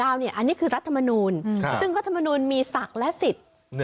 อันนี้คือรัฐมนุนซึ่งรัฐมนุนมีศักดิ์และสิทธิ์ที่สูงกว่า